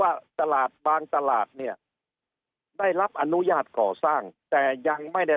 ว่าตลาดบางตลาดเนี่ยได้รับอนุญาตก่อสร้างแต่ยังไม่ได้